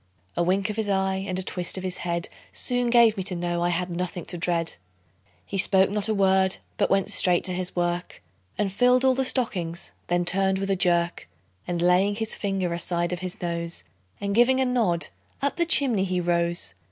A wink of his eye, and a twist of his head, Soon gave me to know I had nothing to dread. He spoke not a word, but went straight to his work, And filled all the stockings; then turned with a jerk, And laying his finger aside of his nose, And giving a nod, up the chimney he rose.